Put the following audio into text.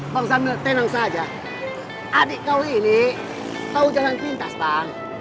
bang sambil tenang saja adik kau ini kau jalan pintas bang